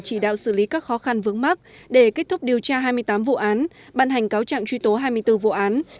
chỉ đạo xử lý các khó khăn vướng mắt để kết thúc điều tra hai mươi tám vụ án ban hành cáo trạng truy tố hai mươi bốn vụ án